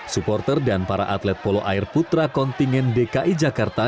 supporter dan para atlet polo air putra kontingen dki jakarta